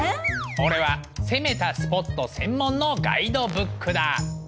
オレは攻めたスポット専門のガイドブックだ。